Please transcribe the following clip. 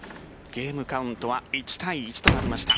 ゲームカウントは１対１となりました。